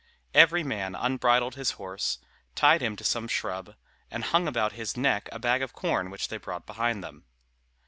Every man unbridled his horse, tied him to some shrub, and hung about his neck a bag of corn which they brought behind them.